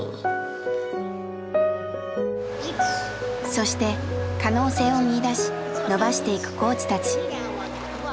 そして可能性を見いだし伸ばしていくコーチたち。